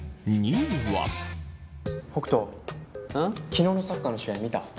昨日のサッカーの試合見た？